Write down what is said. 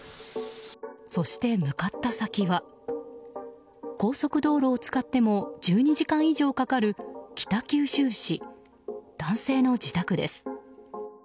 そして向かった先は高速道路を使っても１２時間以上かかる北九州市、男性の自宅です。